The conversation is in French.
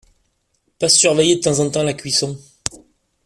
Passe surveiller de temps en temps la cuisson.